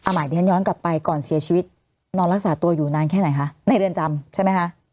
หมายที่ฉันย้อนกลับไปก่อนเสียชีวิตนอนรักษาตัวอยู่นานแค่ไหนคะในเรือนจำใช่ไหมคะ